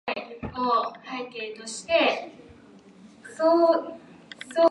小学生には用のない場所。そこで僕らは何をしていたんだ。